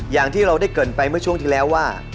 อย่างที่เราได้เกิดไปเมื่อช่วงที่แล้วว่า